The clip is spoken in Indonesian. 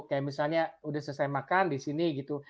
kayak misalnya udah selesai makan di sini gitu